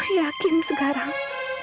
aku yakin sekarang